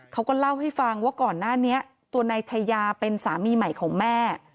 เขาก็เล่าให้ฟังว่าก่อนหน้านี้ตัวนายชายาเป็นสามีใหม่ของแม่